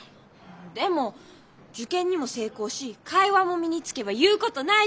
でも受験にも成功し会話も身につけば言うことないじゃないですか。